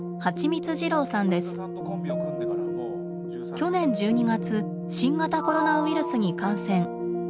去年１２月新型コロナウイルスに感染。